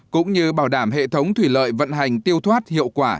cũng như bảo đảm hệ thống thủy lợi vận hành tiêu thoát hiệu quả